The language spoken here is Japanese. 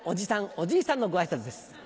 おじいさんのごあいさつです。